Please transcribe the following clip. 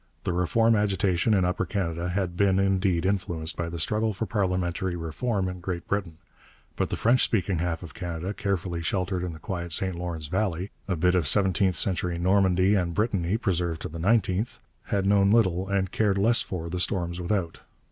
The Reform agitation in Upper Canada had been, indeed, influenced by the struggle for parliamentary reform in Great Britain; but the French speaking half of Canada, carefully sheltered in the quiet St Lawrence valley, a bit of seventeenth century Normandy and Brittany preserved to the nineteenth, had known little and cared less for the storms without.